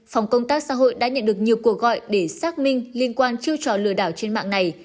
phòng công tác xã hội đã nhận được nhiều cuộc gọi để xác minh liên quan chiêu trò lừa đảo trên mạng này